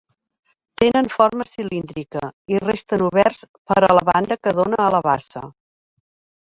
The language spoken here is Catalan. Tenen forma cilíndrica i resten oberts per la banda que dóna a la bassa.